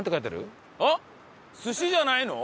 あっ寿司じゃないの！？